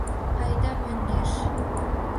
Айда мӧҥгеш!